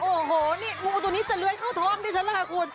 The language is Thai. โอ้โหนี่งูตัวนี้จะเลื้อยเข้าท้องดิฉันล่ะค่ะคุณ